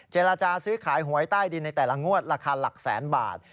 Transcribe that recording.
เจรจาซื้อขายหวยใต้ดินในแต่ละงวดราคาหลักแสนบาท